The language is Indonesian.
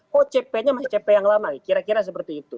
kok cp nya masih cp yang lama kira kira seperti itu